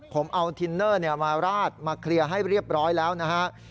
ผมเอาทินเนอร์มาราดมาเคลียร์ให้เรียบร้อยแล้วนะฮะ